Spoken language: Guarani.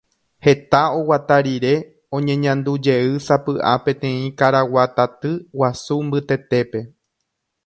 Heta oguata rire oñeñandujeýsapy'a peteĩ karaguataty guasu mbytetépe.